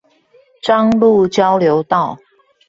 彰鹿交流道